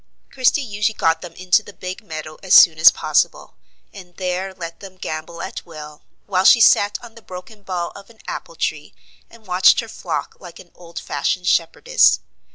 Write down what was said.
Christie usually got them into the big meadow as soon as possible, and there let them gambol at will; while she sat on the broken bough of an apple tree, and watched her flock like an old fashioned shepherdess.